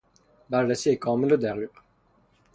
بررسی کامل و دقیق